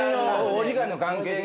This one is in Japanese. お時間の関係で。